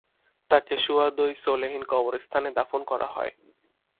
তাকে শুয়াদই সোলেহিন কবরস্থানে দাফন করা হয়।